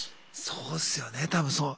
そうですよね多分そう。